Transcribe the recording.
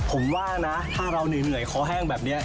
ผมว่านะถ้าเราเหนื่อยคอแห้งแบบนี้